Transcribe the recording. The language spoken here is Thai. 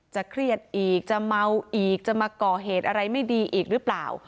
เครียดอีกจะเมาอีกจะมาก่อเหตุอะไรไม่ดีอีกหรือเปล่า